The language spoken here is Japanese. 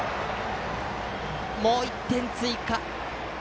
もう１点追加。